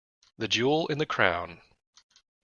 The jewel in the crown.